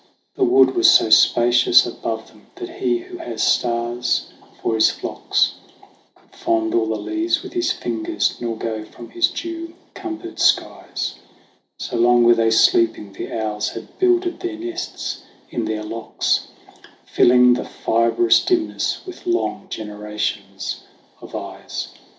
The wood was so spacious above them, that He who had stars for His flocks Could fondle the leaves with His fingers, nor go from His dew cumbered skies ; So long were they sleeping, the owls had builded their nests in their locks, 126 THE WANDERINGS OF OISIN Filling the fibrous dimness with long genera tions of eyes.